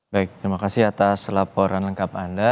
baik terima kasih atas laporan lengkap anda